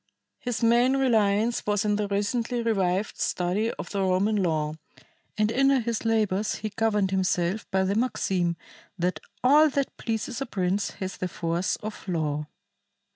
His main reliance was in the recently revived study of the Roman law, and in a his labors he governed himself by the maxim that "all that pleases a prince has the force of law."